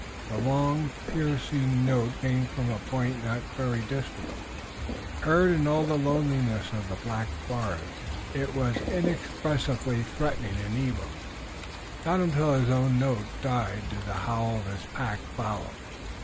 The long, piercing note came now from a point not very distant. Heard in all the loneliness of the black forest it was inexpressively threatening and evil. Not until his own note died did the howl of his pack follow.